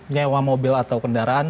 nyewa mobil atau kendaraan